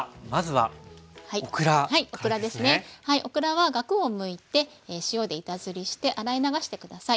はいオクラはガクをむいて塩で板ずりして洗い流して下さい。